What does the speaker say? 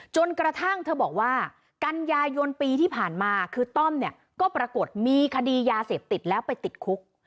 จนกระทั่งเธอบอกว่ากันยายนปีที่ผ่านมาคือต้อมเนี่ยก็ปรากฏมีคดียาเสพติดแล้วไปติดคุก